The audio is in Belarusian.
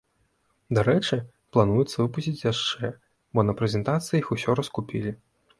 Дарэчы, плануецца выпусціць яшчэ, бо на прэзентацыі іх усё раскупілі.